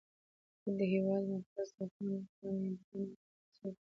د هېواد مرکز د افغان کورنیو د دودونو مهم عنصر دی.